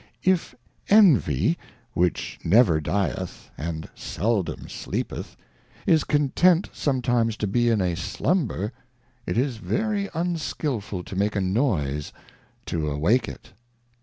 If Envy, which never dyeth, and seldom sleepeth, is content sometimes to be in a Slumber, it is very unskilful to make a noise to awake it.